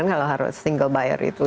kalau harus single buyer itu